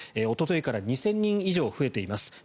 おとといから２０００人以上増えています。